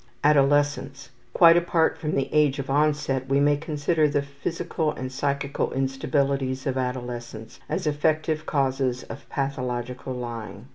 Adolescence. Quite apart from the age of onset, we may consider the physical and psychical instabilities of adolescence as effective causes of pathological lying.